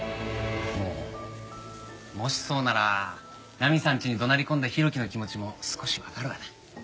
ああもしそうならナミさんちに怒鳴り込んだ浩喜の気持ちも少しわかるわな。